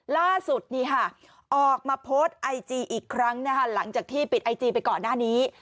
ล่าสุดนี่ค่ะออกมาโพสต์ไอจีอีกครั้งนะคะหลังจากที่ปิดไอจีไปก่อนหน้านี้